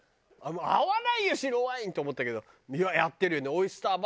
合わないよ白ワインと思ったけどやってるよね。